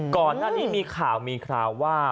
ก่อนหน้านี้มีข่าวมีคราวว่า